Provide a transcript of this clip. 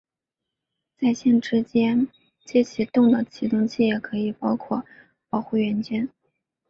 在线直接起动的启动器也可以包括保护元件。